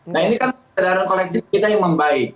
nah ini kan keadaan koleksi kita yang membaik